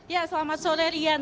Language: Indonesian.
ya selamat sore rian